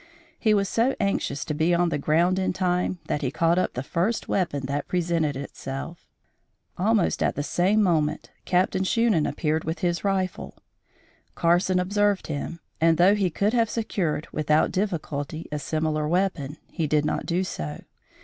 He was so anxious to be on the ground in time, that he caught up the first weapon that presented itself. Almost at the same moment, Captain Shunan appeared with his rifle. Carson observed him, and, though he could have secured without difficulty a similar weapon, he did not do so.